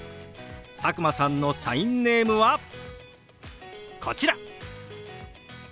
佐久間さんのサインネームはこちら！